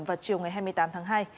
vào chiều ngày hai mươi tám tháng hai